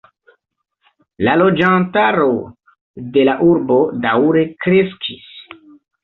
La loĝantaro de la urbo daŭre kreskis.